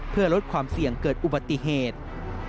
เพื่อลดความเสี่ยงเกิดอุบัติเหตุ